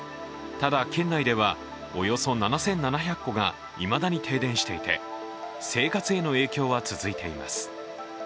ただ、県内ではおよそ７７００戸がいまだに停電していて生活への影響は続いています。